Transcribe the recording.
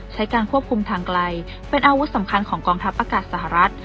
ใช้การควบคุมทางไกลเป็นอาวุธสำคัญของกองทัพอากาศสหรัฐ